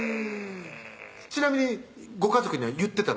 ちなみにご家族には言ってたの？